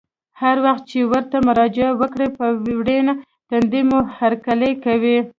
هر وخت چې ورته مراجعه وکړه په ورین تندي مو هرکلی کوي.